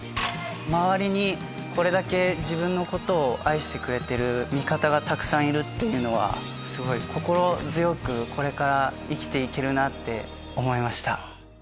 周りにこれだけ自分のことを愛してくれてる味方がたくさんいるっていうのはすごい心強くこれから生きていけるなって思いました。